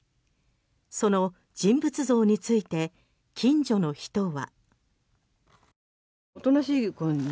その人物像について近所の人は。